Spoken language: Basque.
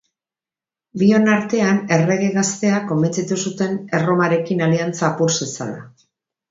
Bion artean errege gaztea konbentzitu zuten Erromarekin aliantza apur zezala.